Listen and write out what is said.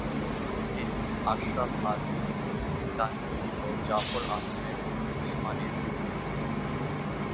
তিনি আশরাফ আলী থানভী ও জাফর আহমদ উসমানির শিষ্য ছিলেন।